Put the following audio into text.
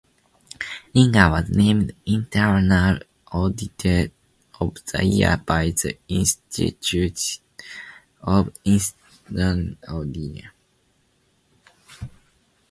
Ringer was named "Internal Auditor of the Year" by the Institute of Internal Auditors.